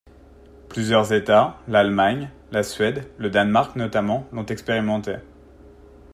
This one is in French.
Plusieurs États, l’Allemagne, la Suède, le Danemark notamment, l’ont expérimenté.